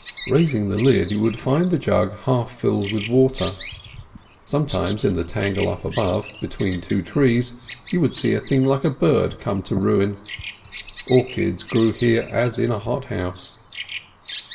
Raising the lid you would find the jug half filled with water. Sometimes in the tangle up above, between two trees, you would see a thing like a bird come to ruin. Orchids grew here as in a hothouse.